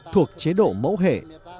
thuộc chế độ mẫu hệ